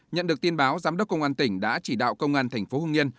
nhận được tin báo giám đốc công an tỉnh đã chỉ đạo công an thành phố hưng yên